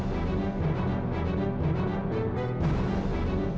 ya ampun matterpa khusus